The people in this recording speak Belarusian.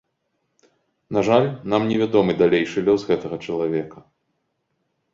На жаль, нам не вядомы далейшы лёс гэтага чалавека.